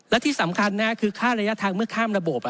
และที่สำคัญนะคือค่าระยะทางเมื่อข้ามระบบ